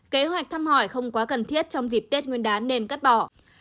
kế hoạch thăm hỏi không quá cần thiết trong dịp tết nguyên đán nên cắt bỏ